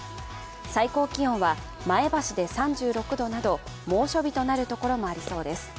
最高気温は前橋で３６度など猛暑日となるところもありそうです。